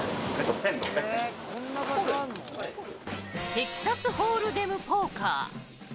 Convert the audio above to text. テキサスホールデムポーカー。